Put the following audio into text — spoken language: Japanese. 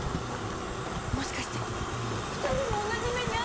もしかして２人も同じ目に遭ってたりします？